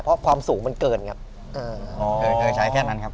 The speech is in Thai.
เพราะความสูงมันเกินอย่างเงี้ยอ๋อเคยเคยใช้แค่นั้นครับ